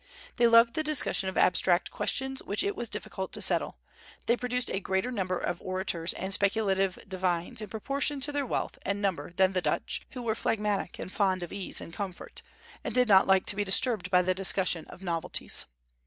They loved the discussion of abstract questions which it was difficult to settle. They produced a greater number of orators and speculative divines in proportion to their wealth and number than the Dutch, who were phlegmatic and fond of ease and comfort, and did not like to be disturbed by the discussion of novelties.